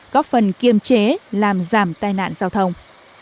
góp phần kiêm chế làm giảm tai nạn giao thông